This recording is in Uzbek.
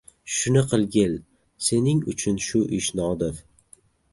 Shuni qilgil, sening uchun shu ish nodir.